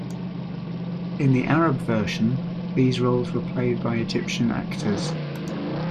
In the Arab version these roles were played by Egyptian actors.